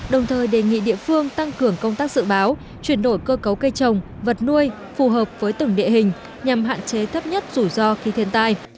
đồng thời đề nghị địa phương tăng cường công tác dự báo chuyển đổi cơ cấu cây trồng vật nuôi phù hợp với từng địa hình nhằm hạn chế thấp nhất rủi ro khi thiên tai